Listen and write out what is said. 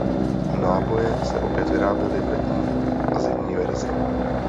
Náboje se opět vyráběly v letní a zimní verzi.